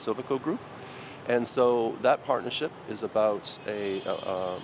chủ tịch phong trọng và thủ tịch việt nam